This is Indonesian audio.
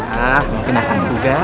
nahh maafin akan juga